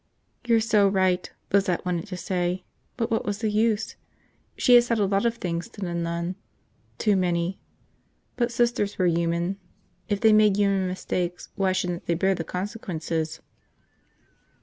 You're so right, Lizette wanted to say, but what was the use? She had said a lot of things to the nun. Too many. But Sisters were human. If they made human mistakes, why shouldn't they bear the consequences?